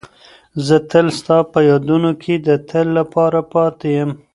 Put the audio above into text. زه تل ستا په یادونو کې د تل لپاره پاتې یم.